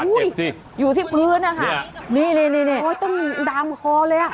อุ้ยอยู่ที่พื้นอะค่ะนี่ต้นดามคอเลยอะ